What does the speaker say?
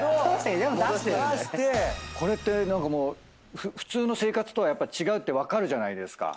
これってもう普通の生活とは違うって分かるじゃないですか。